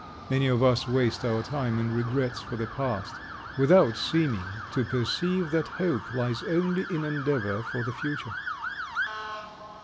Many of us waste our time in regrets for the past, without seeming to perceive that hope lies only in endeavor for the future.